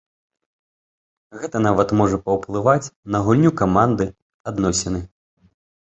Гэта нават можа паўплываць на гульню каманду, адносіны.